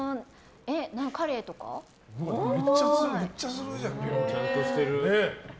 めっちゃするじゃん。